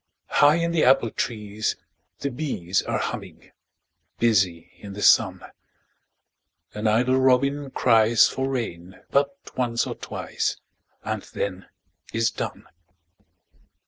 High in the apple trees the bees Are humming, busy in the sun, An idle robin cries for rain But once or twice and then is done.